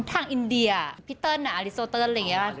ทางอินเดียปิเติลออริโสเติ้ลอะไรอย่างนี้